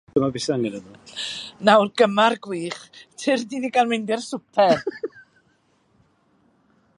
Nawr, gymar gwych, tyrd i ni gael mynd i'r swper!